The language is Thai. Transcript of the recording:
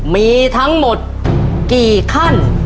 มีทั้งหมดกี่ขั้น